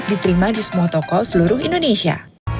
diterima di semua toko seluruh indonesia